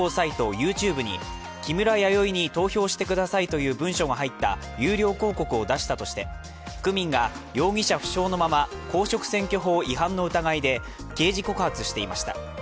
ＹｏｕＴｕｂｅに木村やよいに投稿してくださいという文書が入った有料広告を出したとして区民が容疑者不詳のまま公職選挙法違反の疑いで刑事告発していました。